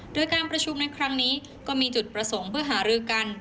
โดยการประชุมในครั้งนี้ก็มีจุดประสงค์เพื่อหารือกัน